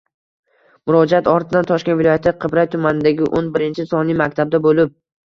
Murojaat ortidan Toshkent viloyati Qibray tumanidagi o'n birinchi sonli maktabda bo‘lib